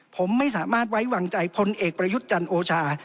ผมไม่สามารถไว้วางใจพลเอกประยุทธ์จันทร์โอชา